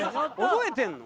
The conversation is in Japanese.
覚えてるの？